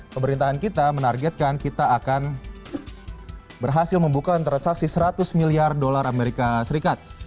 pemerintahan kita menargetkan kita akan berhasil membuka transaksi seratus miliar dolar amerika serikat